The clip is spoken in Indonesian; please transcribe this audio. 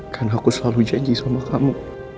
karena aku selalu janji sama kamu